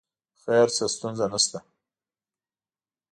خیر څه ستونزه نه شته.